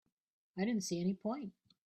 I didn't see any point.